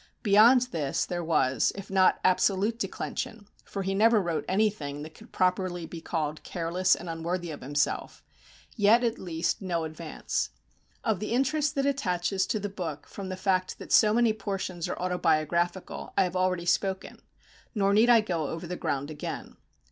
Beyond this there was, if not absolute declension, for he never wrote anything that could properly be called careless and unworthy of himself, yet at least no advance. Of the interest that attaches to the book from the fact that so many portions are autobiographical, I have already spoken; nor need I go over the ground again.